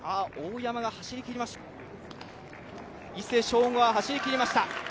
伊勢翔吾は走りきりました。